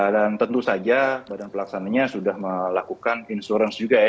dan tentu saja badan pelaksananya sudah melakukan insurans juga ya